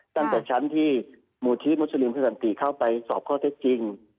ตั้งแต่ชั้นที่หมู่ที่มุสลิมพระสันติเข้าไปสอบข้อเท็จจริง